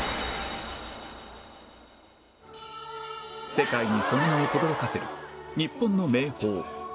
世界にその名をとどろかせる日本の名峰富士山